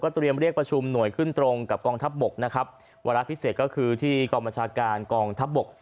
เตรียมเรียกประชุมหน่วยขึ้นตรงกับกองทัพบกนะครับวาระพิเศษก็คือที่กองบัญชาการกองทัพบก